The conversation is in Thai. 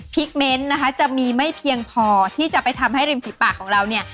เมนต์นะคะจะมีไม่เพียงพอที่จะไปทำให้ริมฝีปากของเราเนี่ย